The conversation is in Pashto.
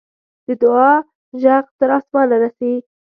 د دعا ږغ تر آسمانه رسي.